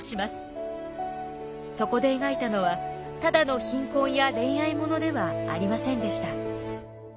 そこで描いたのはただの貧困や恋愛物ではありませんでした。